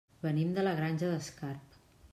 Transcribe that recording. Venim de la Granja d'Escarp.